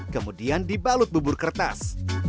kemudian dibalut bubur kertas